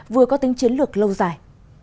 vừa có tính chiến lược lâu dài